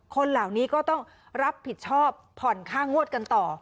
คนเหล่านี้ก็ต้องรับผิดชอบผ่อนค่างวดกันต่อ